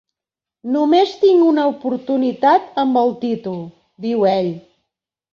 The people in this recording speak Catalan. "Només tinc una oportunitat amb el títol", diu ell.